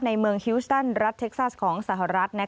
ในเมืองฮิวสตันรัฐเท็กซัสของสหรัฐ